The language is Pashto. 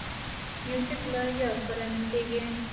موزیک له یار سره نڅېږي.